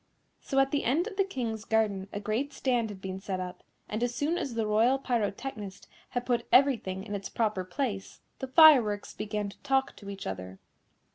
So at the end of the King's garden a great stand had been set up, and as soon as the Royal Pyrotechnist had put everything in its proper place, the fireworks began to talk to each other.